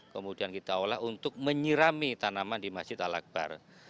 kemudian kita olah untuk menyirami tanaman di masjid al akbar